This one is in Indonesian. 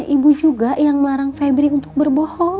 ibu juga yang melarang febri untuk berbohong